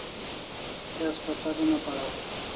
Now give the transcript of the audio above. Se haspatal una paraw